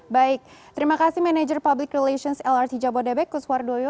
baik terima kasih manager public relations lrt jabodebek kuswardoyo